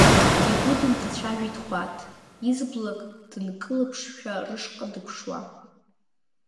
Игәы дынҭацәажәеит Хәаҭ, изблак дынкылԥшшәа, рышҟа дыԥшуа.